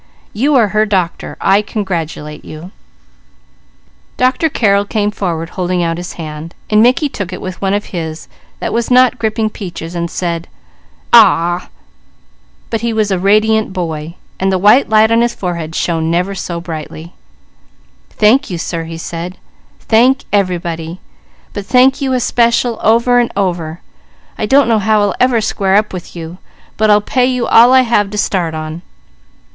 You are her doctor. I congratulate you!" Dr. Carrel came forward, holding out his hand, and Mickey took it with the one of his that was not gripping Peaches and said, "Aw a ah!" but he was a radiant boy. "Thank you sir," he said. "Thank everybody. But thank you especial, over and over. I don't know how I'll ever square up with you, but I'll pay you all I have to start on.